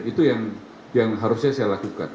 itu yang harusnya saya lakukan